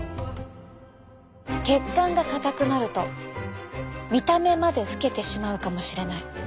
血管が硬くなると見た目まで老けてしまうかもしれない。